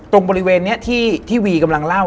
ตรงบริเวณนี้ที่วีกำลังเล่า